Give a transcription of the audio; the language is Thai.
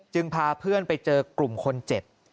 พาเพื่อนไปเจอกลุ่มคนเจ็บ